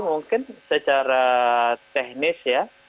mungkin secara teknis